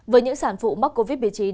với những sản phụ mắc covid một mươi chín